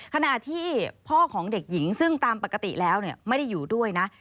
ขณะที่พ่อของเด็กหญิงซึ่งตามปกติแล้วไม่ได้อยู่ด้วยนะ